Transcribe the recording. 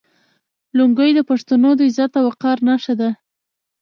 لونګۍ د پښتنو د عزت او وقار نښه ده.